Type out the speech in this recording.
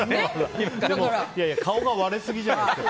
いやいや、顔が割れすぎじゃないですか？